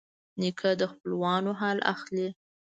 نیکه د خپلوانو حال اخلي.